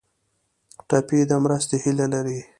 ټپي د مرستې هیله لري.